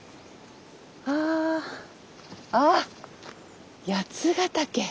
あ。あっ八ヶ岳。